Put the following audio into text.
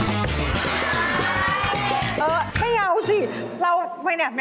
เอิ่มไม่เอาสิเห็นไหม